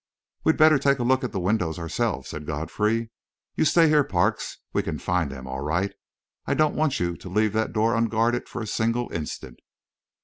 "We'd better take a look at the windows, ourselves," said Godfrey. "You stay here, Parks. We can find them, all right; and I don't want you to leave that door unguarded for a single instant."